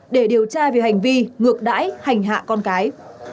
để điều tra về hành vi ngược đãi hành hạ con cái